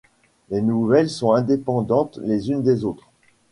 Les nouvelles sont indépendantes les unes des autres.